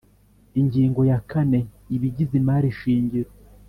Ingingo ya kane Ibigize imari shingiro